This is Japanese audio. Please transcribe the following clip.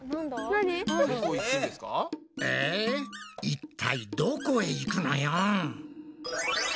いったいどこへ行くのよん？